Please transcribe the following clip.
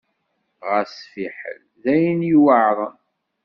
Ɣas fiḥel! D ayen yuɛren.